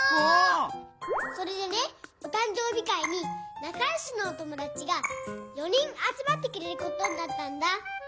それでねおたん生日会になかよしのお友だちが４人あつまってくれることになったんだ。